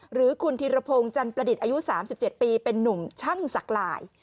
หรือคุณธีรพงศ์จันประดิษฐ์อายุ๓๗ปีเป็นนุ่มช่างสักลาย